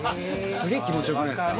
すげえ気持ち良くないですか？